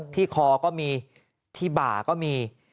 ที่คอก็มีที่บ่าก็มี